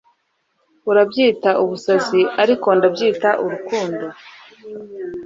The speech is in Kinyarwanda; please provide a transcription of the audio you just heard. Urabyita ubusazi ariko ndabyita urukundo